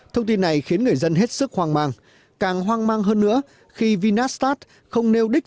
thông tin này khiến người dân hết sức hoang mang càng hoang mang hơn nữa khi vinastat không nêu đích